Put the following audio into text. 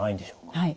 はい。